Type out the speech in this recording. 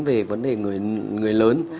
về vấn đề người lớn